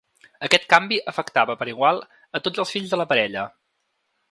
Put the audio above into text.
Aquest canvi afectava per igual a tots els fills de la parella.